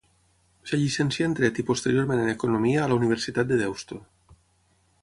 Es llicencià en dret i posteriorment en economia a la Universitat de Deusto.